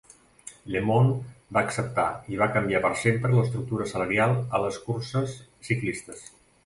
LeMond va acceptar, i va canviar per sempre l'estructura salarial a les curses ciclistes.